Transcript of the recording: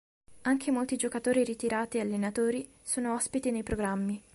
Anche molti giocatori ritirati e allenatori sono ospiti nei programmi